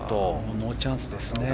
ノーチャンスですね。